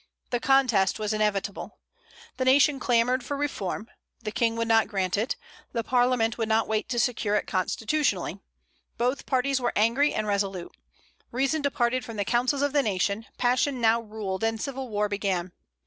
The contest was inevitable. The nation clamored for reform; the King would not grant it; the Parliament would not wait to secure it constitutionally. Both parties were angry and resolute; reason departed from the councils of the nation; passion now ruled, and civil war began.